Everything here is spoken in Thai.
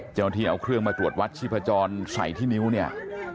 เจ้าหน้าที่เอาเครื่องมาตรวจวัดชีพจรใส่ที่นิ้วเนี่ย